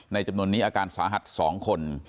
จำนวนนี้อาการสาหัส๒คน